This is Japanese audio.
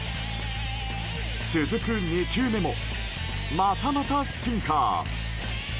続く２球目もまたまたシンカー。